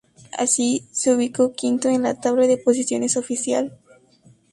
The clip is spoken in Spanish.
Así, se ubicó quinto en la tabla de posiciones oficial.